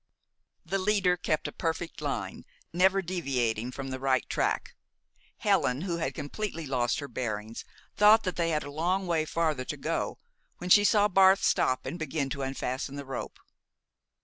The leader kept a perfect line, never deviating from the right track. Helen, who had completely lost her bearings, thought they had a long way farther to go, when she saw Barth stop and begin to unfasten the rope.